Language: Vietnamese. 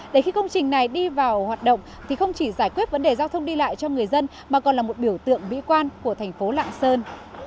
để khi công trình này đi vào hoạt động thì không chỉ giải quyết vấn đề giao thông đi lại cho người dân mà còn là một biểu tượng mỹ quan của thành phố lạng sơn